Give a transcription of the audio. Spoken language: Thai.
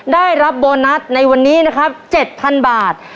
ได้รับโบนัสในวันนี้นะครับ๗๐๐บาท